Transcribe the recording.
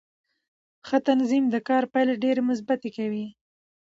ښه تنظیم د کار پایلې ډېرې مثبتې کوي